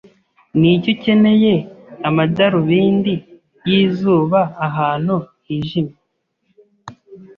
Niki ukeneye amadarubindi yizuba ahantu hijimye?